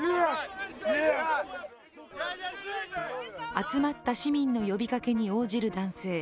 集まった市民の呼びかけに応じる男性。